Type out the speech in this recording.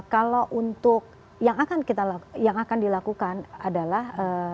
kalau untuk yang akan kita yang akan dilakukan adalah